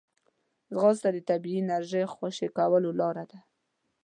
ځغاسته د طبیعي انرژۍ خوشې کولو لاره ده